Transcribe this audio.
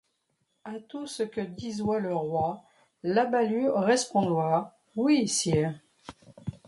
A tout ce que disoyt le Roy, La Balue respondoyt :« Oui, sire.